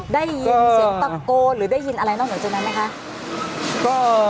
ได้ยินเสียงตะโกนหรือได้ยินอะไรนอกเหนือจากนั้นไหมคะ